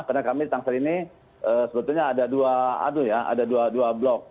karena kami tangsel ini sebetulnya ada dua blok